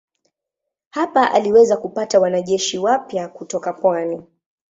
Hapa aliweza kupata wanajeshi wapya kutoka pwani.